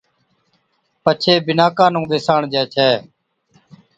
پڇي بِناڪان نُون ٻِساڻجي ڇَي